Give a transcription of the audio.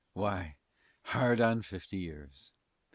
Why, hard on fifty years.